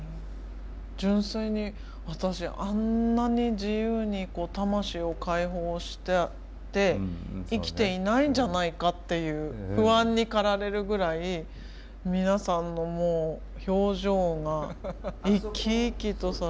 純粋に私あんなに自由に魂を解放して生きていないんじゃないかっていう不安に駆られるぐらい皆さんの表情が生き生きとされてて。